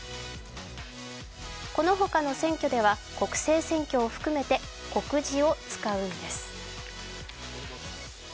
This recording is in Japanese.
この他の選挙では国政選挙を含めて告示を使うんです。